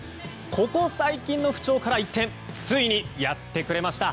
ここ最近の不調から一転ついにやってくれました！